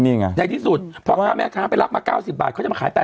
นี่ไงในที่สุดพ่อค้าแม่ค้าไปรับมา๙๐บาทเขาจะมาขาย๘๐